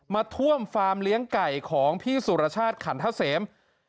ท่วมฟาร์มเลี้ยงไก่ของพี่สุรชาติขันทะเสม